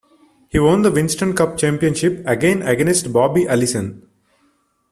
He won the Winston Cup championship again against Bobby Allison.